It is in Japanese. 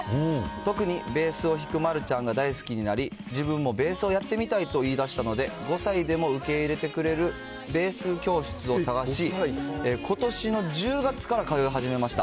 特にベースを弾く丸ちゃんが大好きになり、自分もベースをやってみたいと言い出したので、５歳でも受け入れてくれるベース教室を探し、ことしの１０月から通い始めました。